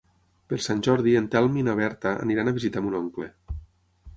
Per Sant Jordi en Telm i na Berta aniran a visitar mon oncle.